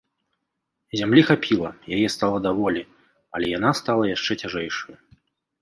Зямлі хапіла, яе стала даволі, але яна стала яшчэ цяжэйшаю.